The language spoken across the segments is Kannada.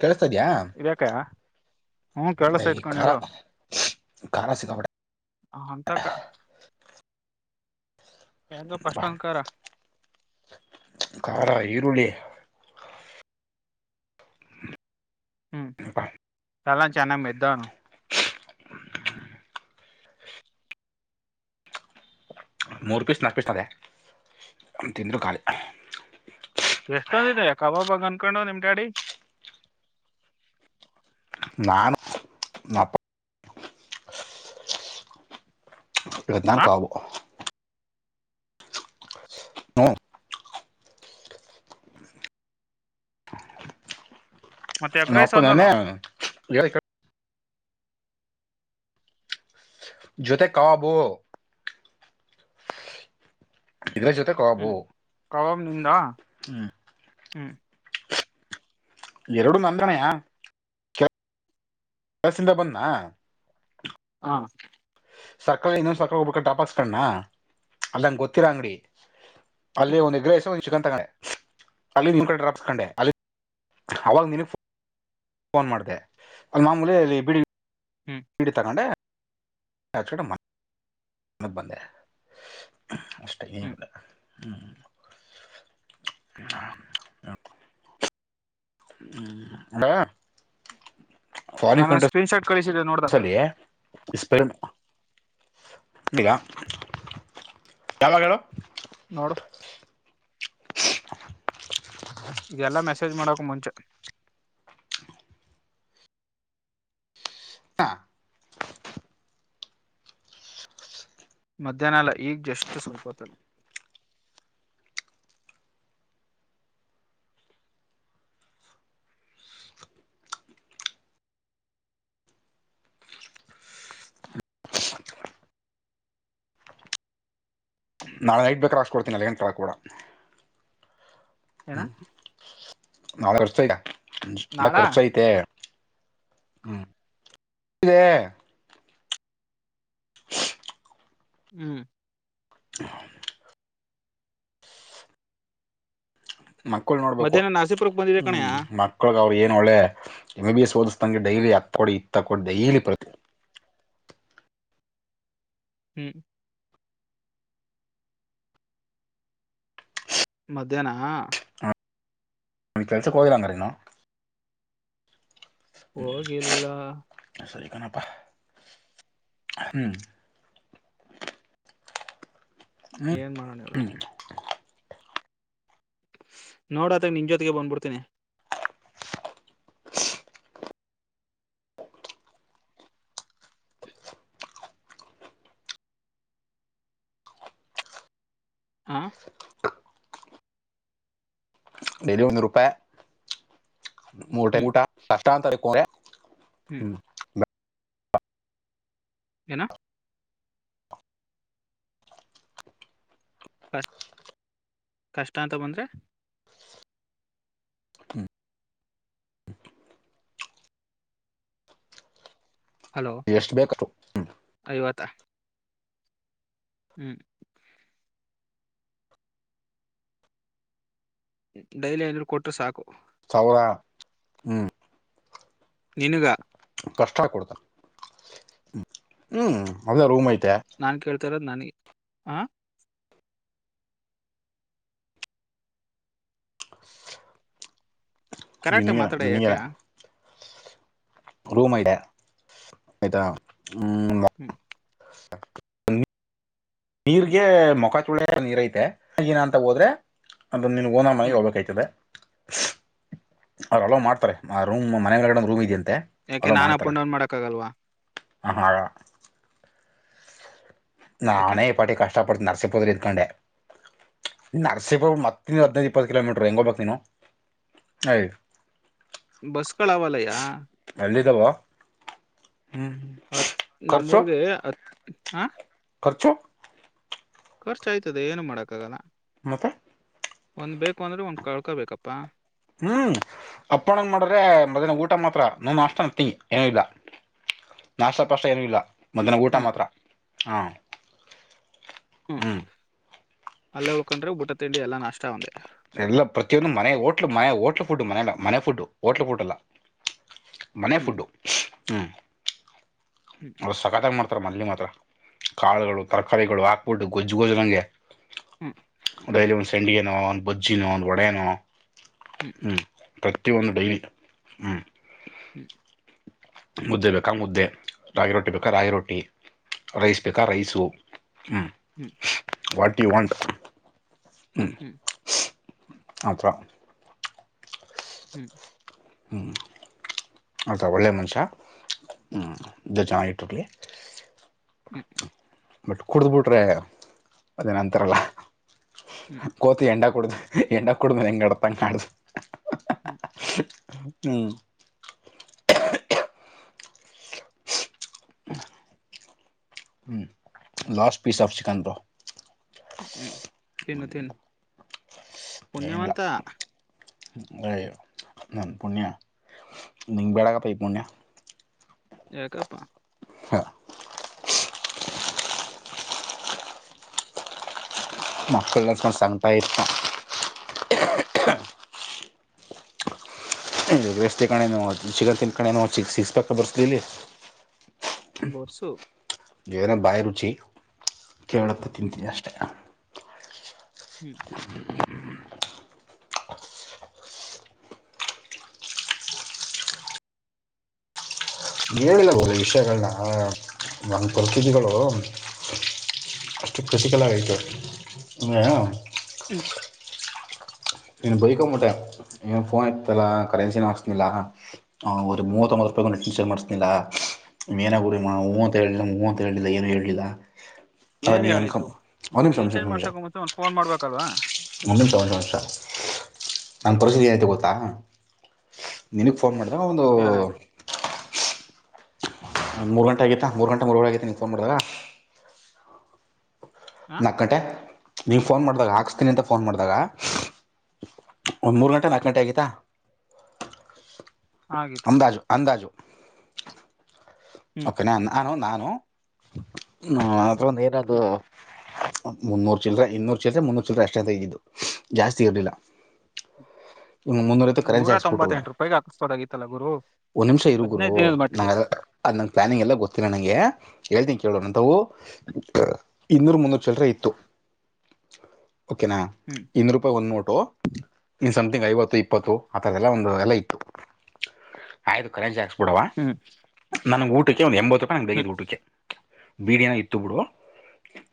ಕೇಳಿಸ್ತಾ ಇದಕ್ಕಾ ಬೈ ಕಾರಾ ರ ಕಾರಾ ಸಿಕ್ಕಾಪಟ್ಟೆ ಹಂತ ಕಾರಾ [unintelligible] ಖಾರಾ ಈರುಳ್ಳಿ [unintelligible] ದನಾ ಚೆನ್ನಾಗಿ ಮೈತ್ತು ಮೂರು ಪೀಸ್ ನಾಲ್ಕು ಪೀಸ್ನದೆೇ ತಿಂದರು ಖಾಲಿ ಎಷ್ಟೊಂದಿದೆ ಕಬಾಬ ಅನ್ಕೊಂಡು ನಿಮ್ ಗಾಡಿ ನಾನು [unintelligible] ಹ [unintelligible] ಕಾವು ಹ್ಮ್ ಮತ್ತೆ ಎಗ್ ರೈಸ್ ಒಂದಲ್ಲ [unintelligible] ಜೊತೆಗೆ ಕಾಬು ಇದರ ಜೊತೆ ಕಾಬೂ ಕವಾಬ್ ನಿಂದಾ ಹ್ಮ್ ಹ್ಮ್ ಎರಡು ನಂದಣೆಯಾ ದಸಿಂದ ಬಂದ್ನಾ ಹಾ ಸರ್ಕಲ್ ಇನ್ನೊಂದ ಸರ್ಕಲ್ ಹೋಗಬಬೇಕ ಟಾಪ್ಸ ಕಾಂಡ ನಾ ಅಲ್ಲಂಗೆ ಗೊತ್ತಿಲ್ಲಾ ಅಂಗಡಿ ಅಲ್ಲಿ ಹ್ಮ್ ಒಂದ ಎಗ್ ರೈಸು ಚಿಕನ್ ತಗೊಂಡೆ ಅಲ್ಲಿ ನಿ ಕಡೆ ಡ್ರಾಪ್ಸ್ ಕಂಡೆ ಅಲ್ಲಿ ಅವಾಗ ನಿನಗ ಪೋನ್ ಫೋನ್ ಮಾಡಿದೆ ಅಲ್ಲಿ ಮಾಮೂಲ್ಲಿ ಬಿಡಿ ಹ್ಮ್ ಬಿಡಿ ತಗೊಂಡೆ [unintelligible] ಮತ್ ಬಂದೆ ಅಷ್ಟ ಹ್ಮ್ ಏನಿಲ್ಲಾ [unintelligible] [unintelligible] ನಾನು ಸ್ಕ್ರೀನ್ ಶಾಟ್ ಕಳಿಸಿದ್ದೆ ನೋಡ್ದಾ ಅಲ್ಲಿ [unintelligible] ಈಗ ಯಾವಾಗ ಹೇಳು ನೋಡು ಇದೆಲ್ಲಾ ಮೆಸೇಜ್ ಮಾಡಕ್ ಮುಂಚೆ ಹ ಮಧ್ಯಾನ ಅಲ ಈಗ್ ಜಷ್ಟು ಸ್ವಲ್ಪತ್ ಆಯ್ತು. ನಾಳೆ ನೈಟ್ ಬೇಕಾದರೆ ಹಾಕಿಸ್ಕೊಡ್ತೀನಿ ನನಗೇನು ಕೇಳಕ್ ಹೋಗ್ಬೇಡ. [unintelligible] ನಾಳೆರ್ತ ಇನ ನಾಳ ಖರ್ಚಐತೆ ಹ್ಮ ಹ್ಮ್ [unintelligible] ಮಕ್ಕಳು ನೋಡ್ಬೇಕು ಮಧ್ಯಾಹ್ನ ನಾಸಿಪುರಕ್ ಬಂದಿದೆ ಹ್ಮ ಕಣಯ್ಯ ಮಕ್ಳಗ ಅವರು ಏನು ಒಳ್ಳೆ ಎಮ್ ಬಿ ಬಿ ಎಸ್ ಓದಸ ಗೆ ಡೈಲಿ ಹತ್ಕ್ಕ ಕೊಡಿ ಇತ್ತಕ್ಕೊಡಿ ಡೈಲಿ ಪ್ರತಿ ಹ್ಮ್ ಮಧ್ಯಾಹ್ನ ಆ ನಿ ಕೆಲಸಕ್ಕೆ ಹೋಗಿಲ್ಲ ಅಂಗಾರೆ ನೀನು. ಹೋಗಿಲ್ಲ. [unintelligible] ಕನಪ್ಪ ಹ್ಮ್. ಹ್ಮ್ ಏನ್ ಮಾಡೋಣ ಹೆಳು. ಹ್ಮ್ ನೋಡತಾ ನಿನ್ ಜೊತೆಗೆ ಬಂದ್ಬಿಡ್ತೇನಿ. ಹಾ ಡೈಲಿ ಒಂದ್ ರೂಪಾಯಿ ಮೂರ್ ಹ್ಮ್ ಟೈಮ್ ಊಟ ನಾಷ್ಟ [unintelligible] ಹ್ಮ್ ಎನೊ ಕಷ್ಟ ಅಂತ ಬಂದ್ರೆ. [inaudible] ಹಲೋ ಎಷ್ಟು ಬೇಕಷ್ಟು ಐವತಾ. ಹ್ಮ್ ಡೈಲಿ ಐನೂರು ಕೊಟ್ಟರೆ ಸಾಕು. ಸಾವರಾ ಹ್ಮ್. ನಿನಗ. ಕಷ್ಟ ಆಗ್ಬಿಡುತ್ತೆ ಹ್ಮ್ ಇಲ್ಲ ಅಲ್ಲೇ ರೂಮ್ಐ ನಾನ್ ಕೇಳ್ತಾರದು ನನಗೆ ಹ. ಕರೆಕ್ಟ್ ನಿನಗೆನೆ ಮಾತಾಡ ಯಾಕೆ ನಿನಗೇನೇ. ರೂಮ್ ಐತೆ ಆಯ್ತಾ ಹ್ಮ. ಹ್ಮ್ [inaudible] ಹ್ಮ್ ನೀರಿಗೆ ಮುಖ ತೊಳೆಯೋಕೆ ನೀರ್ ಐತೆ [unintelligible] ಅಂತ ಹೋದ್ರೆ. ಅದು ನಿನ್ ಓನರ್ ಮನೆಗೆ ಹ್ಮ್ ಹೋಗಬೇಕಾಗ್ತದೆ. ಅವ್ರು ಅಲೋ ಮಾಡ್ತಾರೆ ಆ ರೂಮ್ ಮನೆಯ ಒಳಗಡೆ ರೂಮ್ ಇದ ಅಂ ಯಾಕೆ ನಾನ್ ಅಪ್ ಅಂಡ್ ಡೌನ್ ಮಾಡಕ್ ಆಗಲ್ವಾ. ಹಾ ಆಗಲ್ಲ. ಯಾಕೆ ನಾನೇ ಈ ಪಾಟ್ಟಿಗೆ ಕಷ್ಟಪಡ್ತಿನಿ ನರಸಿಪುರ ದಲ್ಲಿ ಇದ್ಕೊಂಡೆ ನರ್ಸಿ [unintelligible] ಮತ್ತ ಹ್ಮ್ ಹದ್ನೈದು ಇಪ್ಪತ್ತು ಕಿಲೋಮೀಟ್ರು ಹೆಂಗ್ ಹೊಗ್ಬೇಕ್ ನೀನು ಅಯ್. ಬಸ್ಗಳ್ ಅವ್ವಲಯ್ಯ. ಣಲ್ಲಿ ತ ಭಾವ [unintelligible] [unintelligible] ಹತ್ ನಮ್ಮೂರ್ಗೆ ಹತ್ ಹ ರ್ಚು [unintelligible] ಖರ್ಚ ಆಯ್ತದೆ ಏನು ಮಾಡಕ್ಕಾಗಲ್ಲ. ಮತ್ತೆ ಒಂದ್ ಬೇಕು ಅಂದ್ರೆ ಒಂದ್ ಕಳ್ಕೊ ಬೇಕಪ್ಪಾ. ಹ್ಮ್ ಅಪ್ಪಣನ್ ಮಾಡಿದ್ರೆ ಮಧ್ಯಾನ ಊಟ ಮಾತ್ರ ನಂದ [unintelligible] ನಾಷ್ಟ ಟೀ ಏನು ಇಲ್ಲ. ನಾಶಪಾಷ್ಟ ಏನು ಇಲ್ಲ ಮಧ್ಯಾಹನ ಊಟ ಹ್ಮ್ ಮಾತ್ರ ಹು. ಹ್ಮ್ ಅಲ್ಲೇ ಉಳ್ಕೊಂಡ್ರೆ ಬುಟ್ಟ ತಿಂಡಿ ಎಲ್ಲಾ ನಾಷ್ಟ ಒಂದೆ ಎಲ್ಲ ಪ್ರತಿಯೊಂದು ಮನೆ ಹೋಟ್ಲ್ಲು ಮನೆ ಹೋಟ್ಲ್ ಫುಡ್ ಮನಲ್ಲ ಮನೆ ಫುಡ್ ಹೋಟ್ಲು ಫುಡ್ ಅಲ್ಲ ಮನೆ ಹ್ಮ್ ಫುಡ್ಡು ಹ್ಮ್ ಹ್ಮ್ ಅ ಸಕತ್ಾಗಿ ಮಾಡ್ತ [unintelligible] ತ್ರ ಮಲ್ಲಿ ಮಾತ್ರ ಕಾಳುಗಳು ತರಕಾರಿಗಳು ಹಾಕ್ಬಿಟ್ಟು ಗೊಜ್ ಗೊಜ್ಜಂಗೆ. ಹ್ಮ್ ಅದಲ್ಲಿ ಒಂದ್ ಸೆಂಡಿಗೆನೋ ಒಂದ್ ಬಜ್ಜಿನೋ ಒಂದು ವಡೆನೋ. ಹ್ಮ್ ಪ್ರತಿಯೊಂದು ಡೈಲಿಟ್ ಹ್ಮ್. ಹ್ಮ ಮುದ್ದೆ ಬೇಕಾ ಮುದ್ದೆ ರಾಗಿ ರೊಟ್ಟಿ ಬೇಕಾ ರಾಗಿ ರೊಟ್ಟಿ. ರೈಸ್ ಬೇಕಾ ರೈಸು ಹ್ಮ್. ಹ್ಮ್ ವಾಟ್ ಯು ವಾಂಟ್ ಹ್ಮ. ಹ್ಮ್ ಅತ್ರ ಹ್ಮ್ ಹ್ಮ್ ಆಥ ಒಳ್ಳೆ ಮನುಷ್ಯ ಹ್ಮ ದ ಜನ ಇಟ್ಟುೋಗಿ [unintelligible] ಬಟ್ ಕುಡ್ದ್ ಬಿಟ್ರೆ ಅದೇನ ಅಂತಾರಲ್ಲ ಹ್ಮ್ ಹ್ಮ್ ಕೋತಿ ಎಂಡಾ ಕುಡ ಎಂಡ ಕುಡಮ ಹೆಂಗಡಪ್ಪಂಗ ಮಾಡುದು ಹ್ಮ್ ಹ್ಮ್ ಹ್ಮ ಲಸ್ ಪೀಸ್ ಆಫ್ ಚಿಕನ್ ರ ಹ್ಮ್ ತಿನ್ ತೀನ್ ಪುಣ್ಯವಂತ ಅಯ ನ ಪುಣ್ಯ ನಿಂಗ ಬ್ಯಾಡಗಪ್ಪ ಪುಣ್ಯ ಯಾಕಪ್ಪಾ ಹಾ ಮಕ್ಕಳಲ್ಲಕ್ಕು ಸ್ತಾ ಇಷ್ಟತಾ ಹ್ಮ್ ವ್ಯಸ್ಥ ಕಣೇ ಚಿಕನ್ ತಿಂದಕಣೇನ ಚಿ ಸಿಗ್ಸ್ಬೇಕಕ್ ಬರ್ಸಲಲ್ಲಿ ಬರ್ಸು ಏನೋ ಬಾಯಿ ರುಚಿ ಕೆಳತ್ತ ಹ್ಮ್ ತಿಂತೀನಿ ಅಷ್ಟೆ ಹ್ಮ್ ಹೇಳಿಲ್ಲಬಹದು ವಿಷಯಗಳನ್ನ ನಂದು ಪ್ರತಧಿಗಳು ಅಷ್ಟು ಖುಷ ಕೆಲ್ಲ ಆಯತು ಹ್ಮ್ ನೀನು ಬೈಕಮಟೆ ಏನು ಫೋನ್ ಇಯತ್ತುತಲ್ಲ ಕರೆನ್ಸಿನ ಹಾಸ್ಲ್ಲ ಅವ ಮೂವತ್ತೊಂಬತ್ತು ರೂಪಾಯಿ ನೆಟನ್ಚಾರ್ಜ್ ಮಾಡ್ಸ್ನಿಲ್ಲ ಏನ ಗುರಿಮ್ಮ ಹೂವಂತರಳಿಲ್ಲ ಮೂವಂತರಳಿಲ್ಲ ಏನು ಹೇಳಏಿಲ್ಲ ಏನ್ ಹೇಳಿದ್ದು ರೀಚಾರ್ಜ್ ಮಾಡ್ಸಕ ಮು ಒಂದ ಫೋನ್ ಮಾಡ್ಬೇಕಲ್ವಾ ಒಂದ ತ ಒಂದು ವಷ ನನ್ನ ಪರಿಸ್ಥಿತಿ ಏನೈತೆ ಗೊತ್ತಾ ನಿನ ಫೋನ್ ಮಾಡಿದೆ ಒಂದು ಏನಾಯ್ತು ಮೂರು ಗಂಟೆ ಆಗತ್ತಾ ಮೂರು ಗಂಟೆ ಮೂರು ಒಳ ಆಗಿ ನಿ ನೀಂ ಫನ್ ಮಾಡಿದಾಗ ಹ ನಾಲ್ಕು ಗಂಟೆ ನೀವ ಫೋನ್ ಮಾಡ್ದಾಗ ಹಾಕಸ್ತೀನಿ ಅಂತ ಫೋನ್ ಮಾಡ್ದಾಗ ಒಂದ್ ಮೂರ್ ಗಂಟೆ ನಾಲ್ಕು ಗಂಟೆ ಆಗತಾ ಆಗಿತ್ತು ಅಂದಾಜು ಅಂದಾಜು ಹ್ಮ್ ಕೆ ನ ನಾನು ನಾನು ಹ ಅತ್ರ ಒಂದು ಏನ ಹ್ಮ್ ಮುನ್ನೂರ್ ಚಲ್ರ ಇನ್ನೂರ್ ಚಲ್ರ ಮುನ್ನೂರ್ ಚಿಲ್ರ ಅಷ್ಟೇಂತೇಗಿದ್ದು ಜಾಸ್ತಿ ಇರ್ಲಿಲ್ಲ ನೂರ ತೊಂಬತ್ತೆಂಟು ರೂಪಾಯಗೆ ಹಾಕಿಸತೋದಾಗಿತ್ತಲ್ಲಾ ಗುರು ಒಂದ್ ನಿಮಿಷ ಇರು ಗುರು ಹದ್ನೈದು ದಿನದ ನ ಮಟ್ಟಿಗೆ ನಗ್ ಎಲ್ಲ ಗೊತ್ತಿಲ್ಲ ನಂಗೆ ಹೇಳ್ತನ ಕೇಳೋಣಾವು ಇನ್ನೂರು ಮುನ್ನೂರು ಚಲರೆ ಇತ್ತು ಓಕೆನಾ ಹ್ಮ್ ಇಂದು ರೂಪಾಯಿ ಒಂದು ನೋಟು ನಿನ್ ಸಮಥಿಂಗ್ ಐವತ್ತು ಇಪ್ಪತ್ತು ಆತರದೆಲ್ಲ ಒಂದು ಎಲ್ಲ ಇತ್ತು ಆಯ್ತು ಕರೆಂ ಕೊಡವ ಹ್ಮ್ ನನಗೆ ಊಟಕ್ಕೆ ಒಂದು ಎಂಬತ್ತು ರೂಪಾಯಿ ನಂಗೆ ಹ್ಮ್ ಬಗದ ಊಟಕ್ಕೆ ಬೀಡನ ಇತ್ತು ಬಿಡು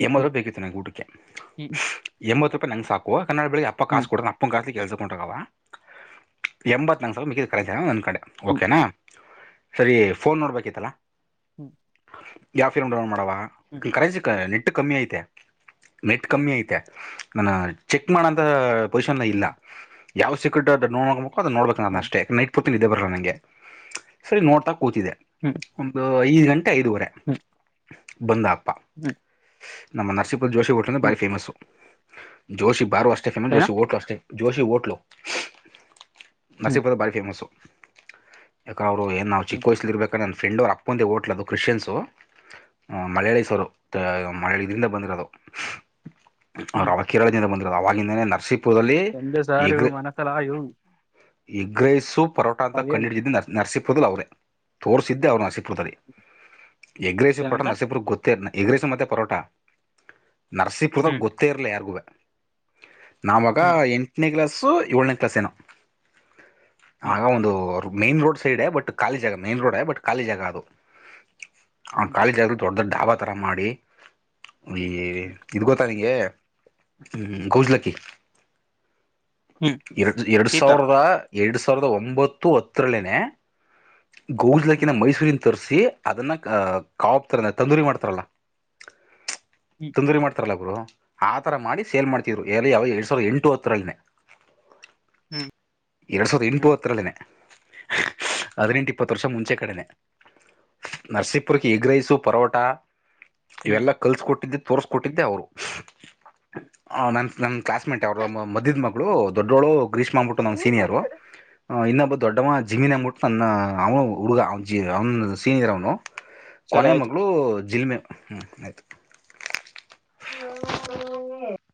ಎಂಬತ್ತು ರೂಪಾಯಿ ಬೇಕಿತ್ತು ನನಗೆ ಊಟಕ್ಕೆ ಹ್ಮ್ ಎಂಬತ್ತು ರೂಪಾಯಿ ನಂಗೆ ಸಾಕುವ ಕನ್ನಡಳಿಗ್ ಅಪ್ಪ ಹ್ಮ್ ಕಸ್ಡ ಅಪ್ಪ ಕ ಕೆಲ್ಸ ಟ ಕ ಎಂಬತ್ ನಂಗ ಸಲ ಮ ಕರೆ ಅಕೊಂಡ ಹ್ಮ್ ಓಕೆನಾ ಸರಿ ಫೋನ್ ನೋಡ್ಬೇಕಿತ್ತಲಾ ಹ್ಮ್ ಯಾವಫಿಲ್ನ್ ಮಾಡವ ಹ್ಮ್ ಕರೆನ್ಸಿ ನೆಟ್ಟ ಕಮ್ಮಿ ಐತೆ ನೆಟ್ ಕಮ್ಮಿ ಐತೆ ನಾನ ಚೆಕ್ ಮಾಡೋಂತ ಪೊಸಿಷನ್ ಇಲ್ಲ ಯಾವ ಸೆೇಕ ನೋಡ್ ಹಬೇಕು ಅದು ನೋಡ್ಬೇಕು ಹ್ಮ್ ಅಷ್ಟೇ ನೈಟ್ ಪೂರ್ತಿ ನಿದ್ದೆ ಬರಲ್ಲ ನಂಗೆ ಸರಿ ನೋಡ್ತಾ ಕೂತಿದೆ ಹ್ಮ್ ಒಂದು ಐದು ಗಂಟೆ ಐದುವರೆ ಬಂದ್ ಆಕ್ತ ಹ್ಮ್ ನಮ್ಮ ನರಸೀಪುರ ಜೋಷಿ ಹೋಟ್ಲ್ಂದ ಭಾರಿ ಹ್ಮ್ ಫೇಮಸ್ ಜೋಸಿ ಬಾರ ಅಷ್ಟ ಕಣ ಏನಾ ಜೋಶಿ ಹೋಟ್ಲು ಅಷ್ಟೇ ಜೋಶಿ ಹೋಟ್ಲು ಹ್ಮ್ ನಸೀರ್ಪದ ಭಾರಿ ಫೇಮಸ್ ಕ ಅವರು ಏ ನಾ ಹ್ಮ್ ಚಿಕ್ಕ ವಯಸಲಿ ಇರಬೇಕಂದ ನ ಫ್ರೆಂಡ್ ಅವರು ಅಪ್ಪಂದ ಓಟ್ಲದ ಕ್ರಶ್ಯನ್ಸು ಅ ಮಲಾಳಿ ಸರು ಮಳಳಿ ಇದ್ರಿಂದ ಬಂದಿರೋದು ಅವ್ ಹ್ಮ್ ಅವ ಕೇರಳದಿಂದ ಬಂದರರು ಅವವಾಗಿಲಂದನ ನರ್ಸಿಪ್ ಪುರದಲ್ಲಿ ಎಂದೇ ಸಾರು ಇಗು ಮನಸಲ ಇವು ಎಗ್ರೈಸು ಪರೋಟ ಅಂತ ಅದೇನ್ ಕಂಡುಿಡಟ್ಟಿದಿದ್ದೆ ನ ನರಸೀಪುದಲ್ಲಿ ಅವ್ರೆ ತೋರ್ಸಿದ್ದೆ ಅವ್ರು ನಸಿಬರ್ತಾರೆ ಎಗ್ರೆಸಿವ್ ಪಟ್ಟ ಏನಂತ ನಸಿಪ್ರ ಗೊತ್ತೇನ ಈಗ್ರೀಸ್ ಮತ್ತೆ ಪರೋಟ ನರಸೀಪುರದಾಗ ಹ್ಮ್ ಗೊತ್ತೇ ಇರ್ಲಿ ಯಾರಿಗೂ ನಾವಾಗ ಹ್ಮ್ ಎಂಟನೇ ಕ್ಲಾಸ್ ಏಳನೇ ಕ್ಲಾಸ್ ಏನೋ ಹ್ಮ್ ಆಗ ಒಂದು ಮೈನ್ ರೋಡ್ ಸೈಡ್ ಬಟ್ ಖಾಲಿ ಜ ಮೈನ್ ರೋಡ್ ಬಟ್ ಖಾಲಿ ಜಾಗ ಅದು ಹ್ಮ್ ಕಾಲಿ ಜಾಗ ದೊಡ್ಡ ಅ ಡಾಬಾ ತರ ಮಾಡಿ ಈ ಹ್ಮ್ ಇದು್ ಗೊತ್ತಾ ನಿಗೆ ಹ್ಮ ಗೋಜಲಕ್ಕಿ ಹ್ಮ್ ಎರಡ್ ಎರಡ್ ಕೀತರ್ ಸಾವಿರದ ಎರಡ್ ಸಾವಿರದ ಒಂಬತ್ತು ಹತ್ತರಲ್ಲಿನೆೇ ಹ್ಮ್ ಗೋಜಲಾಕಿನ ಮೈಸೂರಿನ ತರಿಸಿ ಅದನ್ನ ಕಪ್ತಾರ ತಂದೂರಿ ಮಾಡ್ತಾರಲ್ಲ ಹ್ಮ್ ತೊಂದ್ರ ಮಾಡ್ತಾರಲ್ಲಬ್ರು ಆತರ ಮಾಡಿ ಸೇಲ್ ಮಾಡ್ತವ್ರು ಎ ಯಾವ ಎರಡ್ ಸಾವಿರದ ಎಂಟು ಹತ್ತರಲ್ಲಿನನೆ ಹ್ಮ್ ಎರಡ್ ಸಾವಿರದ ಇಂಪ್ಪವತ್ತ ಎರಡನ ಹದಿನೆಂಟು ಇಪ್ಪತ್ತು ವರ್ಷ ಮುಂಚೆ ಕಡೆನೆ ನರಸೀಪುರಕ್ಕೆ ಎಗ್ ರೈಸು ಪರೋಟ ಹ್ಮ್ ಇವೆಲ್ಲ ಕಲ್ಸಕೊಟ್ಟಿದ್ದತ್ತು ತೋರ್ರಿಸಕೊಟ್ಟಿದ್ದೆ ಅವರು ನ ನನ್ನ ಕ್ಲಾಸ್ಮೇಟ್ ಅವರ ಮ ಹ್ಮ್ ದೊಡ್ಡೋಳು ಗ್ರೀಷ್ಮಬುಟ್ಟು ನಂಗ್ ಸೀನಿಯರ್ ಅ ಇನ್ನ ಬ ದೊಡ್ಡವ ಜಿಮೀನ್ ಹಂದ್ಬಿಟ್ಟು ನನ್ನ ಅವನು ಹುಡುಗ ಅವ ಜ ಅವನ ಸೀನಿಯರ್ ಅವನು ಸರಿ ಕೊನೆಯ ಆಯ್ತು ಮಗಳು ಜಿಲ್ಮೆ ಹ್ಞ ಆಯತು. ಹ್ಮ. [unintelligible]